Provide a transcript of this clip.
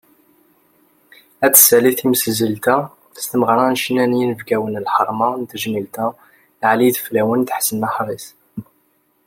Ad tessali temsizzelt-agi, s tmeɣra n ccna n yinebgawen n lḥerma n tejmilt-a, Ɛli Ideflawen d Ḥsen Aḥris.